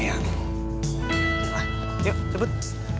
yalah yuk cebut